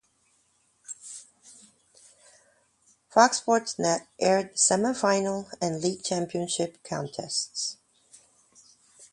Fox Sports Net aired the semifinal and league championship contests.